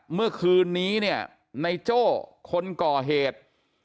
เมื่อคืนนี้เนี่ยในโจ้คนก่อเหตุ